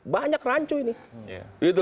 banyak rancu ini